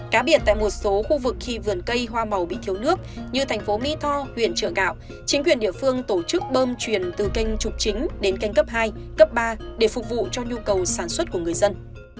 cá biệt tại một số khu vực khi vườn cây hoa màu bị thiếu nước như thành phố mỹ tho huyện trợ gạo chính quyền địa phương tổ chức bơm truyền từ kênh trục chính đến kênh cấp hai cấp ba để phục vụ cho nhu cầu sản xuất của người dân